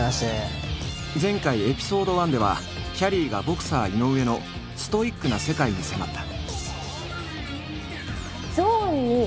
前回エピソード１ではきゃりーがボクサー井上のストイックな世界に迫った。